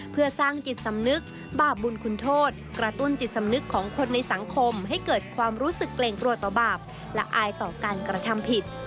เพื่อสร้างจิตสำนึกบาปบุญคุณโทษกระตุ้นจิตสำนึกของคนในสังคมให้เกิดความรู้สึกเกรงกลัวต่อบาปและอายต่อการกระทำผิด